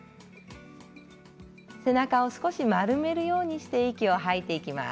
背中を少し丸めるようにして息を吐いていきます。